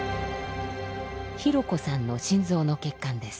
ひろこさんの心臓の血管です。